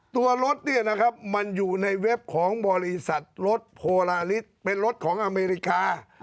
ตัวรถเนี่ยนะครับมันอยู่ในเว็บของบริษัทรถโพลาลิสเป็นรถของอเมริกา